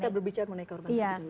kita berbicara mengenai korban